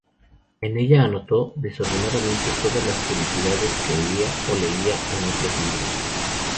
En ella anotó desordenadamente todas las curiosidades que oía o leía en otros libros.